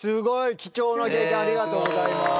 貴重な経験ありがとうございます。